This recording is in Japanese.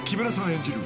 演じる